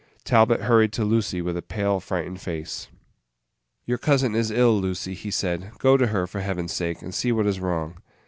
Talbot hurried to Lucy with a pale, frightened face. "Your cousin is ill, Lucy," he said; "go to her, for Heaven's sake, and see what is wrong."